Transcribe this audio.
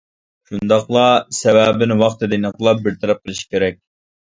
شۇنداقلا سەۋەبىنى ۋاقتىدا ئېنىقلاپ، بىر تەرەپ قىلىش كېرەك.